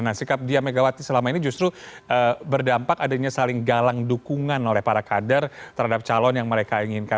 nah sikap dia megawati selama ini justru berdampak adanya saling galang dukungan oleh para kader terhadap calon yang mereka inginkan